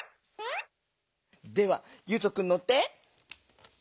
ではゆうとくんのって。